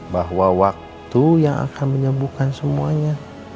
bahwa waktu yang akan menyembuhkan semuanya